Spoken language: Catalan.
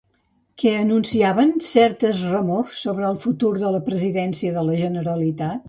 Què anunciaven certes remors sobre el futur de la presidència de la Generalitat?